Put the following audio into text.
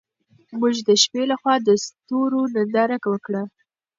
موږ د شپې لخوا د ستورو ننداره وکړه.